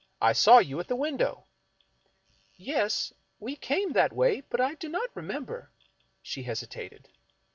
I saw you at the window." " Yes — we came that way, but I do not remember " She hesitated.